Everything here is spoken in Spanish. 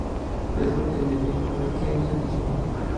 Es un endemismo de Kenia y Somalia.